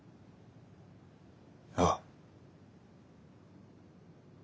ああ。